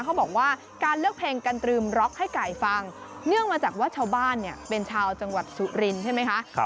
เขาบอกว่าการเลือกเพลงกันตรึมร็อกให้ไก่ฟังเนื่องมาจากว่าชาวบ้านเนี่ยเป็นชาวจังหวัดสุรินทร์ใช่ไหมคะ